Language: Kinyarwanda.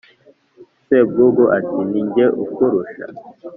Sebwugugu ati: "Ni jye ukurusha